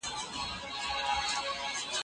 ما سېب وخوړی.